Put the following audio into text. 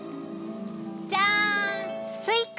じゃんスイカ！